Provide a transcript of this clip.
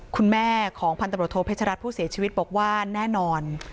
คุณแม่ของพันตำรวจโทเพชรัตน์ผู้เสียชีวิตบอกว่าแน่นอน